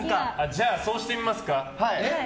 じゃあそうしてみますか？